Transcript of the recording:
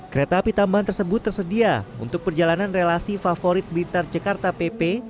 kereta api tambahan tersebut tersedia untuk perjalanan relasi favorit bintar jakarta pp